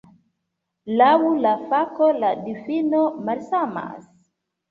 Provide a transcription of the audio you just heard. Laŭ la fako la difino malsamas.